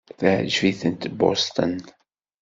Teɛjeb-itent Boston.